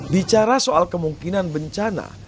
bicara soal kemungkinan bencana